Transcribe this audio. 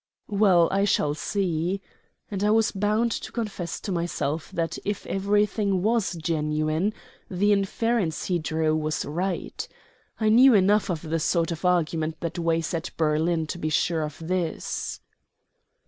"Well, I shall see," and I was bound to confess to myself that, if everything was genuine, the inference he drew was right. I knew enough of the sort of argument that weighs at Berlin to be sure of this.